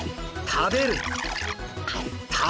食べる！